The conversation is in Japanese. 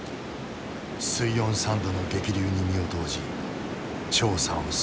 水温３℃の激流に身を投じ調査を進める。